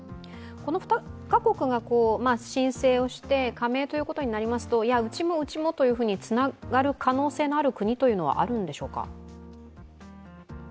この２カ国が申請をして加盟ということになりますとうちも、うちもという方につながる可能性のある国というのはあるんでしょうか？